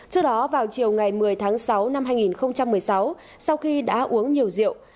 trước đó vào chiều ngày một mươi tháng sáu năm hai nghìn một mươi sáu sau khi đã uống nhiều rượu